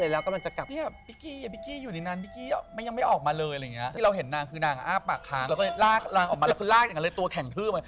แล้วก็ลากออกมาแล้วคุณลากอย่างนั้นเลยตัวแข็งคือมา